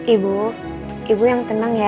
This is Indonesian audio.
ibu ibu yang tenang ya